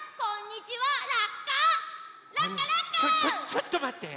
ちょっとまって！